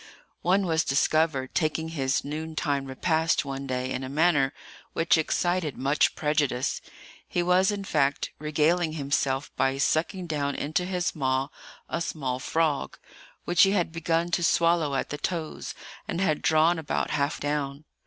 One was discovered taking his noontide repast one day in a manner which excited much prejudice. He was, in fact, regaling himself by sucking down into his maw a small frog, which he had begun to swallow at the toes, and had drawn about half down.